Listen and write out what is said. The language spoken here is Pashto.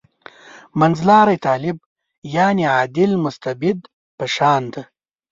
منځلاری طالب «عادل مستبد» په شان دی.